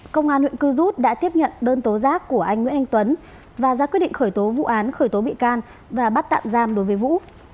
công an huyện cư rút đã tiếp nhận đơn tố giác của anh nguyễn anh tuấn và ra quyết định khởi tố vụ án khởi tố bị can và bắt tạm giam đối với vũ